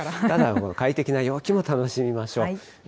ただ、快適な陽気も楽しみましょう。